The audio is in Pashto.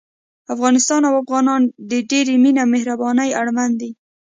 افغانستان او افغانان د ډېرې مينې او مهربانۍ اړمن دي